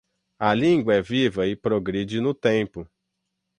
A língua é viva e progride no tempo